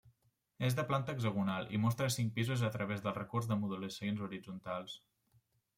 És de planta hexagonal i mostra cinc pisos a través del recurs de modulacions horitzontals.